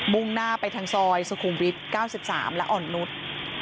่งหน้าไปทางซอยสุขุมวิทย์๙๓และอ่อนนุษย์